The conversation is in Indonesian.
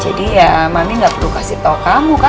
jadi ya mami gak perlu kasih tau kamu kan